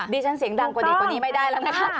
ฉันเสียงดังกว่าดีกว่านี้ไม่ได้แล้วนะคะ